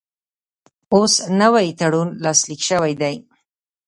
اوس نوی تړون لاسلیک شوی دی.